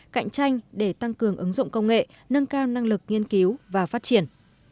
cạnh tranh để tăng cường ứng dụng công nghệ nâng cao năng lực nghiên cứu và phát triển